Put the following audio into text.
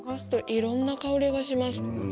いろんな香りがします。